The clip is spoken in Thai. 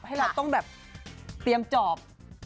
ให้เราต้องแบบเตรียมจอบ